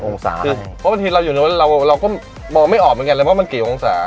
องศาได้เพราะพอถึงเราก็บอกไม่ออกเลยว่ามันกี่องศา